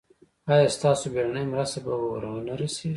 ایا ستاسو بیړنۍ مرسته به ور نه رسیږي؟